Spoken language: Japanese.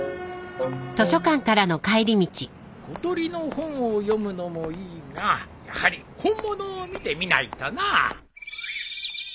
小鳥の本を読むのもいいがやはり本物を見てみないとのう